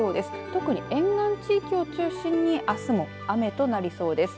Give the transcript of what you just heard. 特に沿岸地域を中心にあすも雨となりそうです。